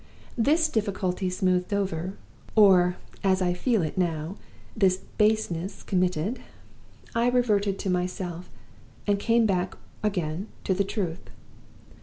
This difficulty smoothed over or, as I feel it now, this baseness committed I reverted to myself, and came back again to the truth.